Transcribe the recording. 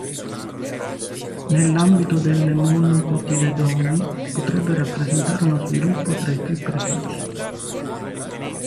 Nell'ambito delle monocotiledoni potrebbe rappresentare uno sviluppo tra i più precoci.